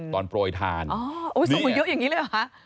ส่งของเยอะอย่างนี้เลยเหรอฮะ